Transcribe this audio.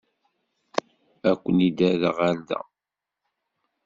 Ad ken-id-rreɣ ɣer da.